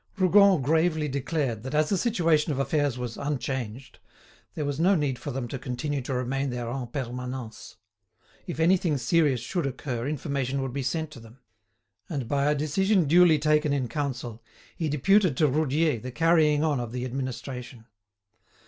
Rougon gravely declared that as the situation of affairs was unchanged, there was no need for them to continue to remain there en permanence. If anything serious should occur information would be sent to them. And, by a decision duly taken in council, he deputed to Roudier the carrying on of the administration.